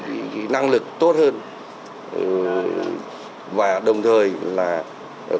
và đồng thời là cũng là cái thử nghiệm cái sức cầu cái sức mua của thị trường bất động sản